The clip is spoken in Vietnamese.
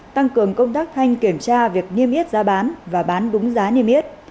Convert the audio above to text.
tăng cường công tác thanh kiểm tra việc niêm yết giá bán và bán đúng giá niêm yết